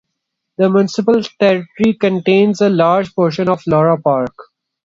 The municipal territory contains a large portion of the Lura Park.